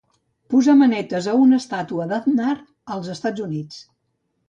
Posar manetes a una estatueta d'Aznar als Estats Units.